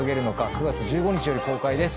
９月１５日より公開です。